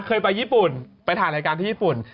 เคยไปญี่ปุ่นไปถ่ายรายการที่ญี่ปุ่น